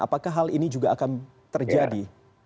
apakah hal ini juga akan terjadi